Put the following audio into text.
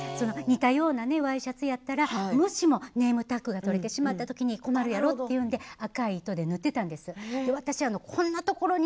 似たようなワイシャツだったらもしもネームタグが取れてしまったときに困るやろうということで赤い糸で縫っていたんです。